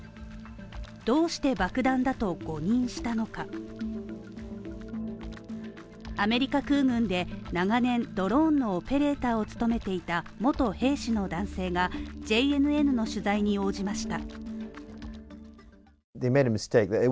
どうして爆弾だと誤認したのか、アメリカ空軍で長年、ドローンのオペレーターを務めていた元兵士の男性がＪＮＮの取材に応じました。